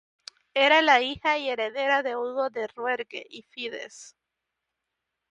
Era la hija y heredera de Hugo de Rouergue y Fides.